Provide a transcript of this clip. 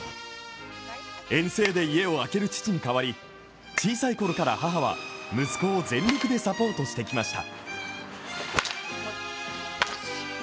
遠征で家を空ける父に代わり小さいころから母は息子を全力でサポートしてきました。